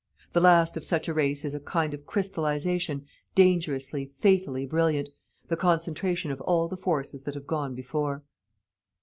The last of such a race is a kind of crystallisation, dangerously, fatally brilliant, the concentration of all the forces that have gone before."